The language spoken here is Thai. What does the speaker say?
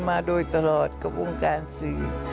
มาโดยตลอดกับวงการสื่อ